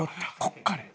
ここからや。